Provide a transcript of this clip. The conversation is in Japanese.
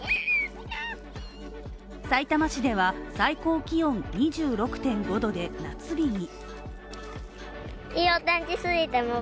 さいたま市では、最高気温２６．５度で夏日に。